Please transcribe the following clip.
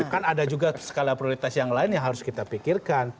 kan ada juga skala prioritas yang lain yang harus kita pikirkan